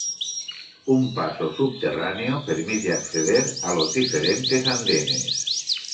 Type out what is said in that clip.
Un paso subterráneo permite acceder a los diferentes andenes.